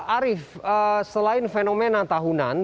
arief selain fenomena tahunan